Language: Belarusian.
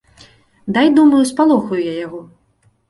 Дай, думаю, спалохаю я яго.